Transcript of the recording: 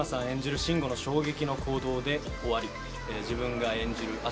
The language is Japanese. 演じる慎吾の衝撃の行動で終わり自分が演じる